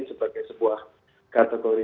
sebagai sebuah kategori